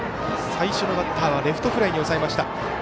最初のバッターはレフトフライに抑えました。